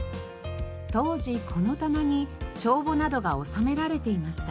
当時この棚に帳簿などが収められていました。